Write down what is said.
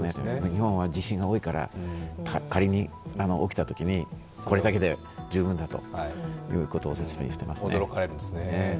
日本は地震が多いから仮に起きたときにこれだけで十分だということを説明していますね。